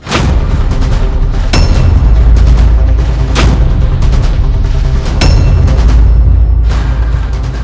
kita harus segera menangkapnya hidup atau mati